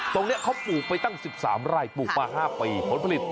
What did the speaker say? ตรงนี้เขาปลูกไปตั้ง๑๓ไร่ปลูกมา๕ปีผลผลิต